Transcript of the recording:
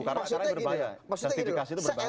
maksudnya gini loh